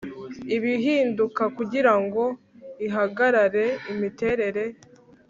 Ibihinduka kugira ngo hagaragare imiterere